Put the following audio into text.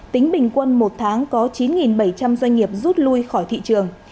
tính bình quân một tháng có chín bảy trăm linh doanh nghiệp rút lui khỏi thị trường